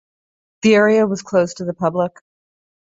The area was closed to the public.